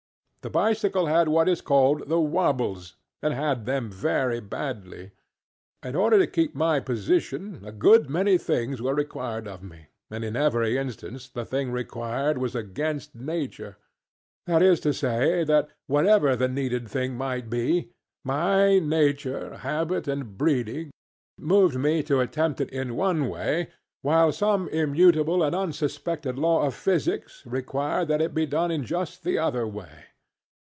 The bicycle had what is called the ŌĆ£wabbles, ŌĆØ and had them very badly. In order to keep my position, a good many things were required of me, and in every instance the thing required was against nature. Against nature, but not against the laws of nature. That is to say, that whatever the needed thing might be, my nature, habit, and breeding moved me to attempt it in one way, while some immutable and unsuspected law of physics required that it be done in just the other way.